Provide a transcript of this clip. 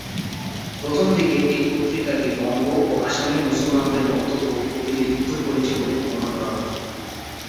প্রথম দিকে এই পত্রিকাটি বঙ্গ এবং আসামের মুসলমানদের বক্তব্যকে প্রতিনিধিত্ব করছে বলে মনে করা হত।